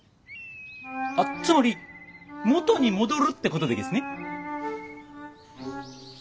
つまり元に戻るってことでげすね？